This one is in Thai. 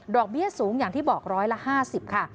เบี้ยสูงอย่างที่บอกร้อยละ๕๐ค่ะ